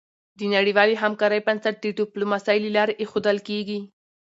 د نړیوالې همکارۍ بنسټ د ډيپلوماسی له لارې ایښودل کېږي.